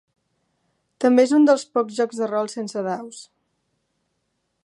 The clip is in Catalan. També és un dels pocs jocs de rol sense daus.